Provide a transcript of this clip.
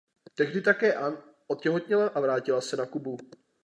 Tehdy také Anne otěhotněla a vrátila se na Kubu.